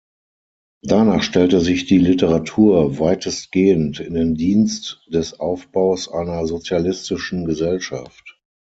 Danach stellte sich die Literatur weitestgehend in den Dienst des Aufbaus einer sozialistischen Gesellschaft.